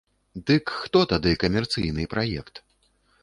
Дык хто тады камерцыйны праект?